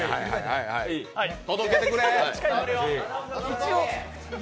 届けてくれ！